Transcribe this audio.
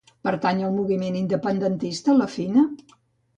Pertany al moviment independentista la Fina?